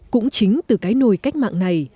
cũng chính từ cái nồi cách mạng này